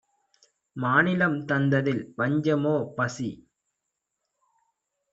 மாநிலம் தந்ததில் வஞ்சமோ? - பசி